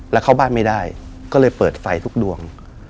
แล้วเข้าบ้านไม่ได้ก็เลยเปิดไฟทุกดวง